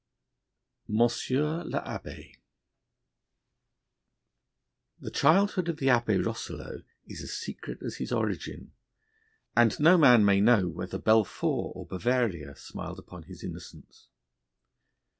MONSIEUR L'ABBÉ The childhood of the Abbé Rosselot is as secret as his origin, and no man may know whether Belfort or Bavaria smiled upon his innocence.